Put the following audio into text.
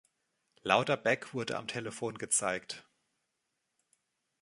Louderback wurde am Telefon gezeigt.